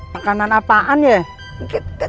makanan apaan ya